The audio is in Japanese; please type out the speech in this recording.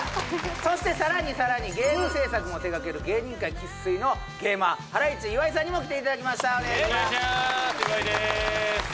そしてさらにさらにゲーム制作も手がける芸人界生粋のゲーマーハライチ岩井さんにも来ていただきましたお願いしますお願いします岩井です